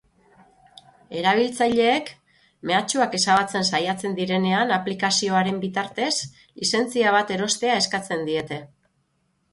Erabiltzaileek mehatxuak ezabatzen saiatzen direnean aplikazioaren bitartez, lizentzia bat erostea eskatzen diete.